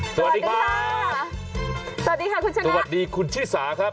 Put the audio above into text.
สวัสดีครับสวัสดีค่ะคุณชนะสวัสดีคุณชิสาครับ